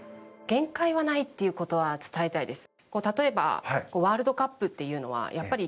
限界はないということは伝えたいです。